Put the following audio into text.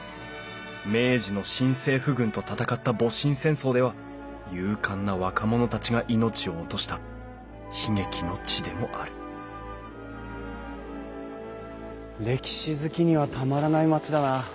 明治の新政府軍と戦った戊辰戦争では勇敢な若者たちが命を落とした悲劇の地でもある歴史好きにはたまらない町だな。